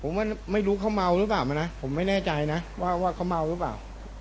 ผมว่าไม่รู้เขาเมาหรือเปล่านะผมไม่แน่ใจนะว่าเขาเมาหรือเปล่า